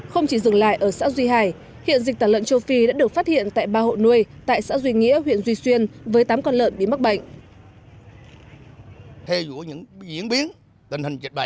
không chỉ dừng lại ở xã duy hải hiện dịch tả lợn châu phi đã được phát hiện tại ba hộ nuôi tại xã duy nghĩa huyện duy xuyên với tám con lợn bị mắc bệnh